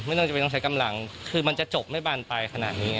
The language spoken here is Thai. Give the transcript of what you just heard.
ไม่ต้องใช้กำลังคือมันจะจบไม่บ้านไปขนาดนี้